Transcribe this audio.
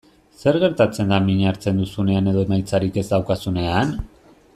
Zer gertatzen da min hartzen duzunean edo emaitzarik ez daukazunean?